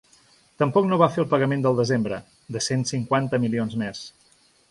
Tampoc no va fer el pagament del desembre, de cent cinquanta milions més.